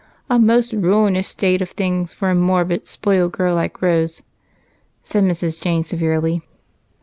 A most ruinous state of things for a morbid, spoilt girl like Rose," said Mrs. Jane, severely.